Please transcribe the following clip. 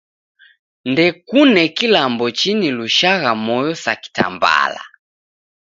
Ndokune kilambo chinilushagha moyo sa kitambala.